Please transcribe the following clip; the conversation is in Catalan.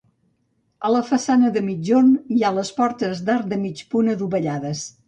A la façana de migjorn hi ha les portes d'arc de mig punt adovellades.